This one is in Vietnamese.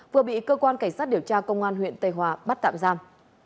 vừa bị cơ quan cảnh sát điều tra công an huyện tây hòa bắt tạm giam